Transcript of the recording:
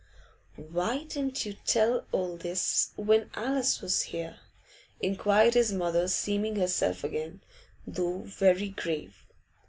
'Why didn't you tell all this when Alice was here?' inquired his mother, seeming herself again, though very grave.